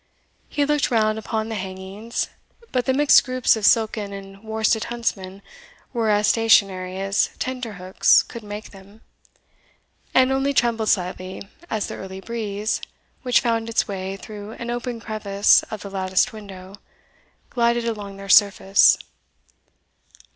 He looked round upon the hangings, but the mixed groups of silken and worsted huntsmen were as stationary as tenter hooks could make them, and only trembled slightly as the early breeze, which found its way through an open crevice of the latticed window, glided along their surface.